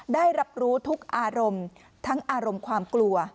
ได้รับรู้ทุกอารมณ์ทั้งอารมณ์ความกลัว